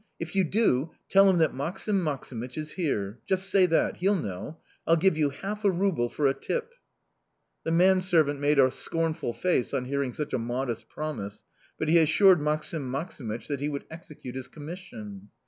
If you do, tell him that Maksim Maksimych is here; just say that he'll know! I'll give you half a ruble for a tip!" The manservant made a scornful face on hearing such a modest promise, but he assured Maksim Maksimych that he would execute his commission.